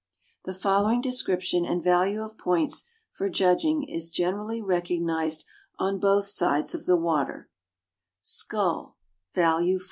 The following description and value of points for judg ing is generally recognized on both sides of the water: Value. Value.